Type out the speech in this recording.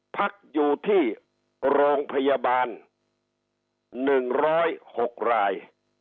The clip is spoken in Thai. พักอยู่ที่โรงพยาบาล๑๐๖ราย